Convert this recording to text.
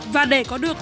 và để có được